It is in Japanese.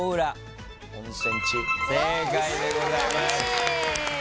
正解でございます。